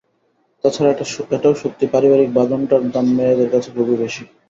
তা ছাড়া এটাও সত্যি, পারিবারিক বাঁধনটার দাম মেয়েদের কাছে খুবই বেশি।